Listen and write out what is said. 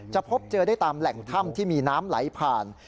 พบเจอได้ตามแหล่งถ้ำที่มีน้ำไหลผ่าน